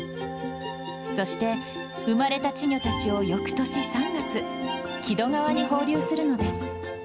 そして、産まれた稚魚たちを翌年３月、木戸川に放流するのです。